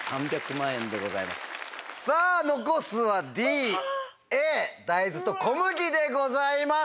さぁ残すはＤＡ大豆と小麦でございます。